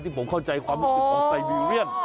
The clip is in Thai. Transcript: ผมเข้าใจความรู้สึกของไซบีเรียน